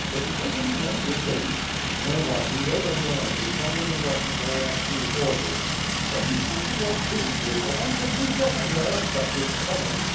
Did he take any men with him?" 582 WITH FIRE AND SWORD. "No one, he rode alone, with one little Russian boy and three horses." "Then he set to work prudently, for one can do nothing there except with cunning.